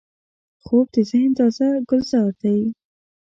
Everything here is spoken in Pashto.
خوب د ذهن تازه ګلزار دی